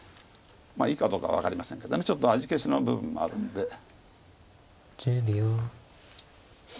まあいいかどうかは分かりませんけどちょっと味消しの部分もあるんで。